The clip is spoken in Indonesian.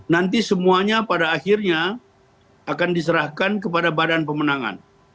nanti semuanya pada akhirnya akan diserahkan kepada badan pemenangan